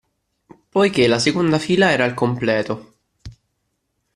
Poiché la seconda fila era al completo.